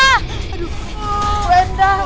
aduh bu wendang